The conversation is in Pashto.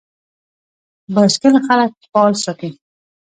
بایسکل خلک فعال ساتي.